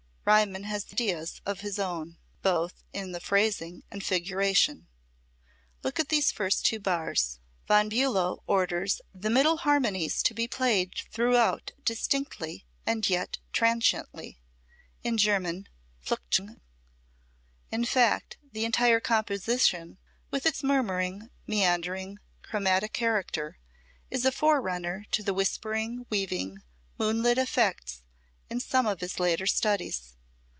Riemann has ideas of his own, both in the phrasing and figuration. Look at these first two bars: [Musical score excerpt without caption: ] Von Bulow orders "the middle harmonies to be played throughout distinctly, and yet transiently" in German, "fluchtig." In fact, the entire composition, with its murmuring, meandering, chromatic character, is a forerunner to the whispering, weaving, moonlit effects in some of his later studies.